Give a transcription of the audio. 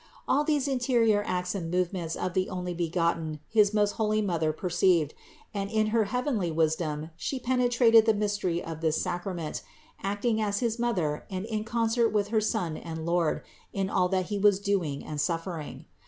All these in terior acts and movements of the Onlybegotten his most holy Mother perceived, and in her heavenly wisdom She penetrated the mystery of this sacrament, acting as his Mother and in concert with Her Son and Lord in all that He was doing and suffering.